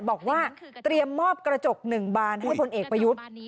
บอกว่าเตรียมมอบกระจก๑บานให้พลเอกประยุทธ์